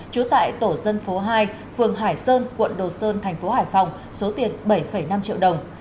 trú tại tổ dân phố hai phường hải sơn quận đồ sơn thành phố hải phòng số tiền bảy năm triệu đồng